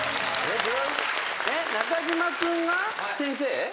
中島君が先生？